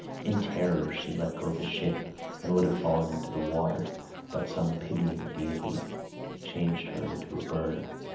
In terror she let go the ship and would have fallen into the water, but some pitying deity changed her into a bird.